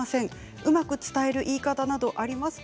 うまく伝える言い方などありますか？